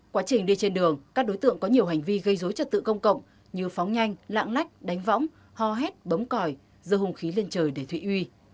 quá trình đi trên đường các đối tượng có nhiều hành vi gây dối trật tự công cộng như phóng nhanh lạng lách đánh võng ho hét bấm còi dơ hung khí lên trời để thụy uy